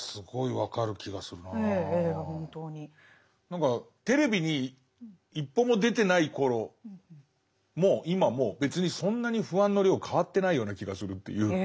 何かテレビに一歩も出てない頃も今も別にそんなに不安の量変わってないような気がするっていう。